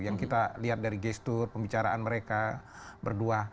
yang kita lihat dari gestur pembicaraan mereka berdua